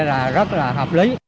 là rất là hợp lý